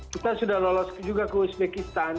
kita sudah lolos juga ke uzbekistan